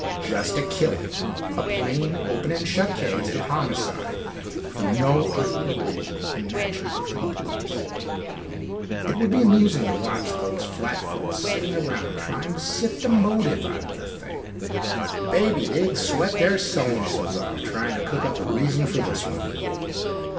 Just a killing, a plain open and shut case of homicide for no earthly reason imaginable to the police. It would be amusing to watch those flatfoots sitting around trying to sift a motive out of the thing. Baby, they'd sweat their so and so's off trying to cook up a reason for this one.